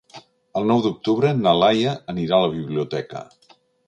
El nou d'octubre na Laia anirà a la biblioteca.